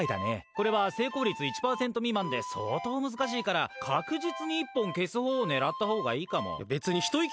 これは成功率１％未満で相当難しいから、確実に１本消すほうを狙ったほうがいいかも。